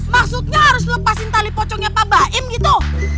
maksudnya harus lepasin tali pocongnya pak baim itu